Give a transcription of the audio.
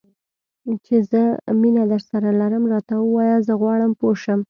چې زه مینه درسره لرم؟ راته ووایه، زه غواړم پوه شم.